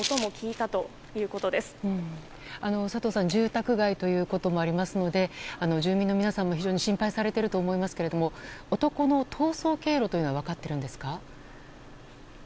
住宅街ということもありますので住民の皆さんも非常に心配されていると思いますけれど男の逃走経路というのは分かっているんですか？